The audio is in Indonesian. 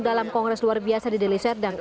dalam kongres luar biasa di deliserdang